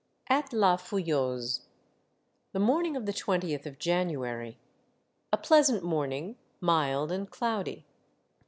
AT LA FOUILLEUSE. The morning of the twentieth of January. A pleasant mording, mild and cloudy.